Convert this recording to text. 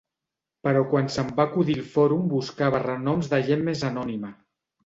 Però quan se'm va acudir el fòrum buscava renoms de gent més anònima.